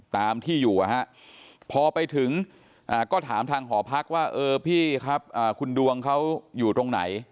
ตามที่อยู่พอไปถึงก็ถามทางหอพักว่าเออพี่ครับคุณดวงเขาอยู่ตรงไหน